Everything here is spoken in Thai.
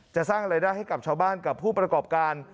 สร้างรายได้ให้กับชาวบ้านกับผู้ประกอบการ